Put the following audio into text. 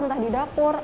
entah di dapur